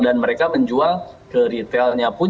dan mereka menjual ke retailnya pun